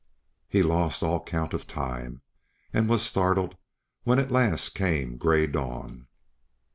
He lost all count of time, and was startled when at last came gray dawn.